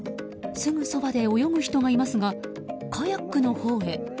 すぐそばで泳ぐ人がいますがカヤックのほうへ。